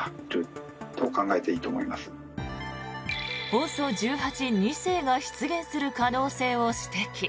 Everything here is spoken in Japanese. ＯＳＯ１８・２世が出現する可能性を指摘。